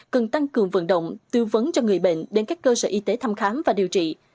cần tăng cường vận động tư vấn cho người bệnh đến các cơ sở y tế thăm khám và điều trị